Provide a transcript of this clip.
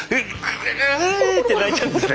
グって泣いちゃうんですね。